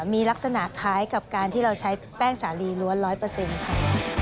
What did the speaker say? มีลักษณะคล้ายกับการที่เราใช้แป้งสาลีล้วนร้อยเปอร์เซ็นต์ค่ะ